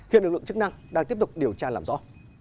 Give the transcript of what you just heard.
hiện lực lượng chức năng đang tiếp tục điều tra làm rõ